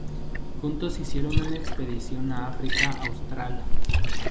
Juntos hicieron una expedición a África austral.